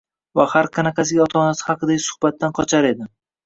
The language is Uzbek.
va har qanaqasiga ota-onasi haqidagi suhbatdan qochar edi.